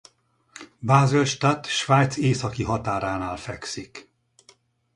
Basel-Stadt Svájc északi határánál fekszik.